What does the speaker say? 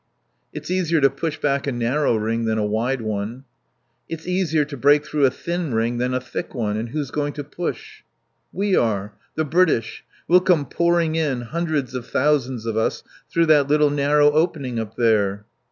"It's easier to push back a narrow ring than a wide one." "It's easier to break through a thin ring than a thick one, and who's going to push?" "We are. The British. We'll come pouring in, hundreds of thousands of us, through that little narrow opening up there."